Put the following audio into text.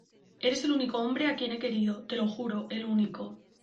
eres el único hombre a quien he querido, te lo juro , el único...